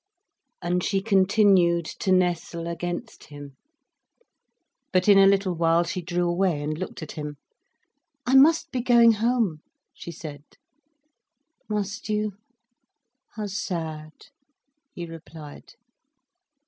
And she continued to nestle against him. But in a little while she drew away and looked at him. "I must be going home," she said. "Must you—how sad," he replied.